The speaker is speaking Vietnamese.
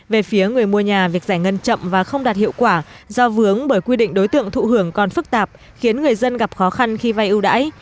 về phía người mua nhà việc giải ngân chậm và không đạt hiệu quả do vướng bởi quy định đối tượng thụ hưởng còn phức tạp khiến người dân gặp khó khăn khi vay ưu đãi